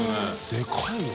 でかいよ。